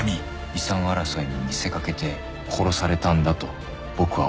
「遺産争いに見せ掛けて殺されたんだと僕は思います」